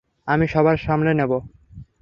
আমি সব সামলে নেবো।